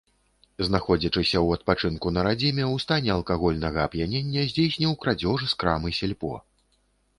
Знаходзячыся ў адпачынку на радзіме, у стане алкагольнага ап'янення, здзейсніў крадзеж з крамы сельпо.